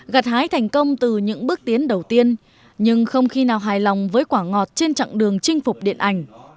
gạt hái thành công từ những bước tiến đầu tiên nhưng không khi nào hài lòng với quả ngọt trên chặng đường chinh phục điện ảnh